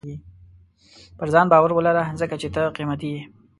• پر ځان باور ولره، ځکه چې ته قیمتي یې.